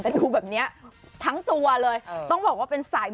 ทั้งตัวเลยคิดว่าเป็นสายมูตัวจริง